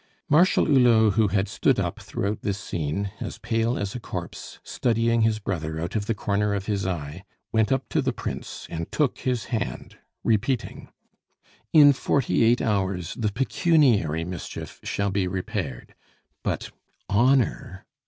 Marshal Hulot, who had stood up throughout this scene, as pale as a corpse, studying his brother out of the corner of his eye, went up to the Prince, and took his hand, repeating: "In forty eight hours the pecuniary mischief shall be repaired; but honor!